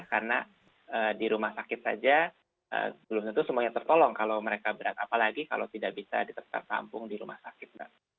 karena di rumah sakit saja belum tentu semuanya tertolong kalau mereka berat apalagi kalau tidak bisa ditertampung di rumah sakit